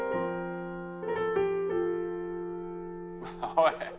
おい！